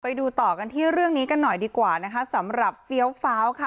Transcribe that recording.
ไปดูต่อกันที่เรื่องนี้กันหน่อยดีกว่านะคะสำหรับเฟี้ยวฟ้าวค่ะ